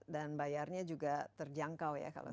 dan bayarnya juga terjangkau ya kalau sudah